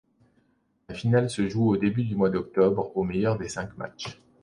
La finale se joue au début du mois d'octobre au meilleur des cinq matches.